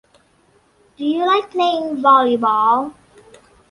Do you like playing volleyball?